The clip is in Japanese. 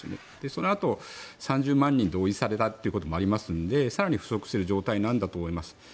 そのあと３０万人動員されたということもありますので更に不足している状態なんだと思います。